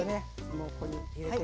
もうここに入れて。